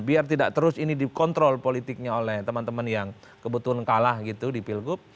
biar tidak terus ini dikontrol politiknya oleh teman teman yang kebetulan kalah gitu di pilgub